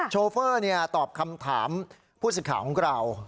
โชเฟอร์ตอบคำถามผู้สิทธิ์ข่าวของเรา